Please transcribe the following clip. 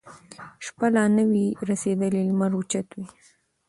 شپه لا نه وي رسېدلې لمر اوچت وي